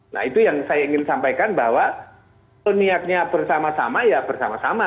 nah itu yang saya ingin sampaikan bahwa niatnya bersama sama ya bersama sama